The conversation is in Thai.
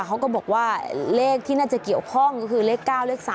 เขาก็บอกว่าเลขที่น่าจะเกี่ยวข้องก็คือเลข๙เลข๓